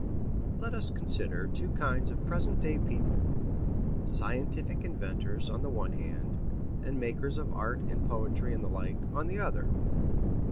Let us consider two kinds of present day people: scientific inventors, on the one hand, and makers of art and poetry and the like, on the other.